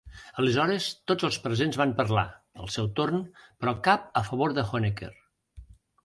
Aleshores tots els presents van parlar, al seu torn, però cap a favor de Honecker.